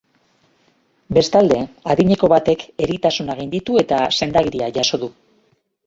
Bestalde, adineko batek eritasuna gainditu eta sendagiria jaso du.